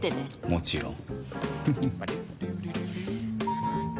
もちろん。